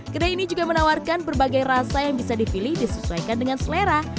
kedai ini juga menawarkan berbagai rasa yang bisa dipilih disesuaikan dengan selera